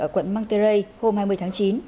ở quận monterey hôm hai mươi tháng chín